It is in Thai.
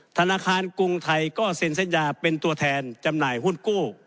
ธนาคารกรุงไทยก็เซ็นสัญญาเป็นตัวแทนจำหน่ายหุ้นกู้